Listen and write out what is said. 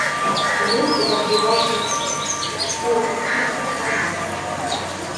Выступ адбываўся ў акустычным фармаце.